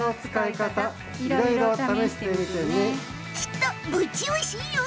きっとぶちおいしいよ。